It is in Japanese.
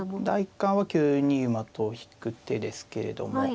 第一感は９二馬と引く手ですけれども。